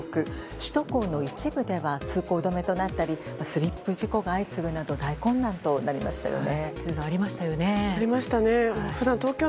首都高の一部では通行止めとなったりスリップ事故が相次ぐなど大混乱となりましたよね。